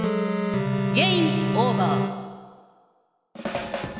ゲームオーバー。